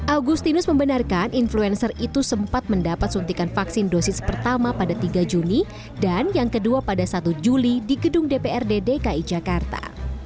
agustinus membenarkan influencer itu sempat mendapat suntikan vaksin dosis pertama pada tiga juni dan yang kedua pada satu juli di gedung dprd dki jakarta